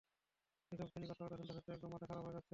এসব জ্ঞানী কথাবার্তা শুনতে শুনতে একদম মাথা খারাপ হয়ে যাচ্ছে।